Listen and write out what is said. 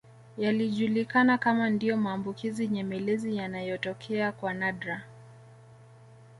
Yalijulikana kama ndio maambukizi nyemelezi yanayotokea kwa nadra